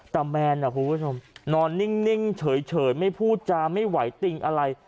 แต่แมนนะคุณผู้ชมนอนนิ่งเฉยไม่พูดจาไม่ไหวติงอะไร